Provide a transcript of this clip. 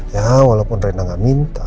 ya walaupun rena nggak minta